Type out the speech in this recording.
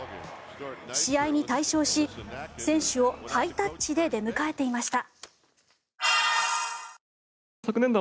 試合に大勝し、選手をハイタッチで出迎えていました。